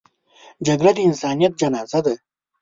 جګړه د انسانیت جنازه ده